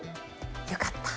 よかった！